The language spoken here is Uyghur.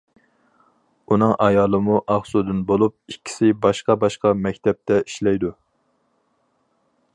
ئۇنىڭ ئايالىمۇ ئاقسۇدىن بولۇپ ئىككىسى باشقا-باشقا مەكتەپتە ئىشلەيدۇ.